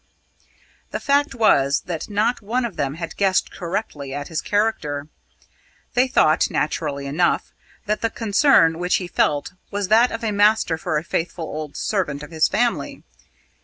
The fact was that not one of them had guessed correctly at his character. They thought, naturally enough, that the concern which he felt was that of a master for a faithful old servant of his family.